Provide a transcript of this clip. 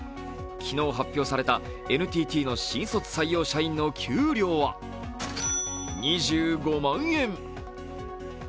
昨日発表されたＮＴＴの新卒採用社員の給料は２５万円。